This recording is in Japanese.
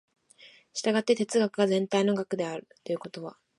従って哲学が全体の学であるということは、